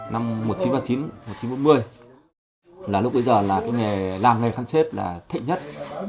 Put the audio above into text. năm một nghìn chín trăm ba mươi chín một nghìn chín trăm bốn mươi là lúc bây giờ là cái nghề làm nghề khăn xếp là thịnh nhất